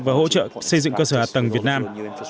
và hỗ trợ xây dựng cơ sở hạ tầng việt nam